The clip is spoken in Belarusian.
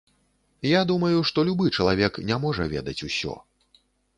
Я думаю, што любы чалавек не можа ведаць усё.